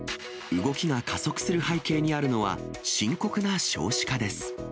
動きが加速する背景にあるのは、深刻な少子化です。